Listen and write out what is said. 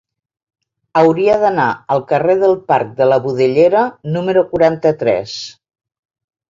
Hauria d'anar al carrer del Parc de la Budellera número quaranta-tres.